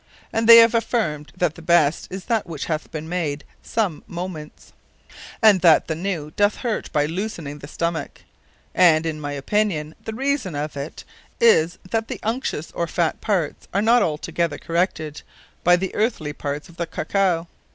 and they have affirmed, that the best is that which hath beene made some moneths: and that the new doth hurt by loosening the Stomack; And, in my opinion, the reason of it is, that the unctuous or fat parts, are not altogether corrected, by the earthy parts of the Cacao.